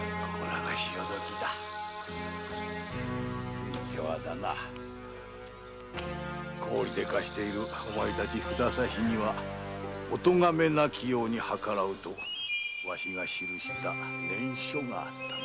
ついてはだな高利で貸しているお前たち札差にはお咎めなきように計らうとわしが記した念書があったな。